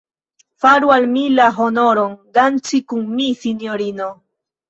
Faru al mi la honoron, danci kun mi, sinjorino.